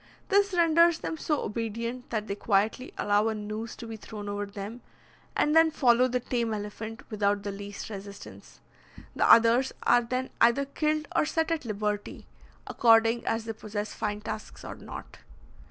This renders them so obedient, that they quietly allow a noose to be thrown over them, and then follow the tame elephant without the least resistance. The others are then either killed or set at liberty, according as they possess fine tusks or not.